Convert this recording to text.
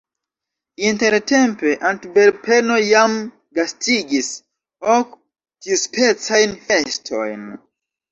Intertempe Antverpeno jam gastigis ok tiuspecajn festojn.